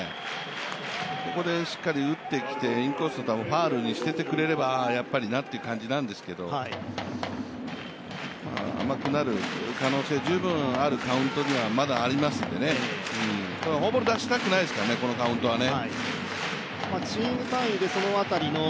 ここでしっかり打ってきてインコース球、ファウルにしてくれればやっぱりなという感じなんですけど、甘くなる可能性、十分あるカウントになってきますからボール出したくないですからね、このカウントはね。